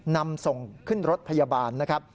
นำส่งขึ้นรถพยาบาลนะครับ